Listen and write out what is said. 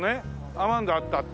アマンドあったあった。